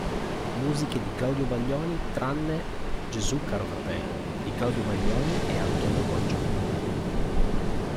Musiche di Claudio Baglioni, tranne "Gesù caro fratello", di Claudio Baglioni e Antonio Coggio.